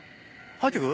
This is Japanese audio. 入ってく？